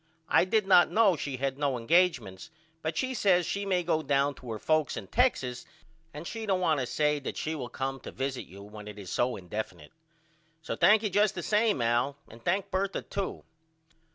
I did not know she had no engagements but she says she may go down to her folks in Texas and she don't want to say that she will come to visit you when it is so indefanate. So thank you just the same Al and thank Bertha too.